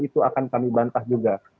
itu akan kami bantah juga